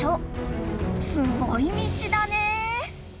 すごい道だね。